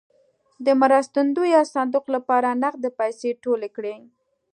د مرستندویه صندوق لپاره نغدې پیسې ټولې کړې.